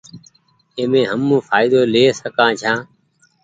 اي مين هم ڦآئدو لي سڪآن ڇآن۔